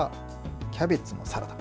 キャベツのサラダ。